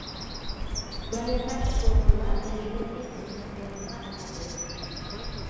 لاياقەتلىك بولغانلار بەلگىلەنگەن خىزمەت ئورنىغا ئەۋەتىلىدۇ.